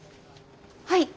はい。